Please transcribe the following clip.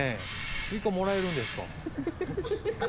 スイカもらえるんですか。